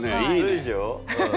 いいでしょ？